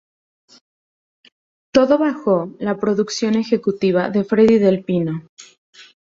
Todo bajo la producción ejecutiva de Fredy del Pino.